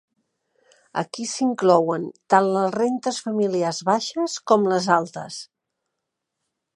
Aquí s"inclouen tant les rentes familiars baixes com les altes.